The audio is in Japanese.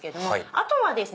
あとはですね